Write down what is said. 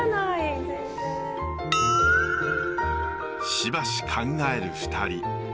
しばし考える２人。